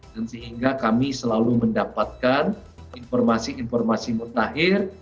dan sehingga kami selalu mendapatkan informasi informasi mutakhir